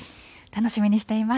楽しみにしています。